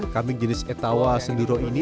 kambing jenis etawa senduro ini